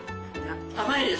甘いです。